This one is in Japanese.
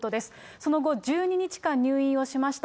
その後、１２日間入院をしました。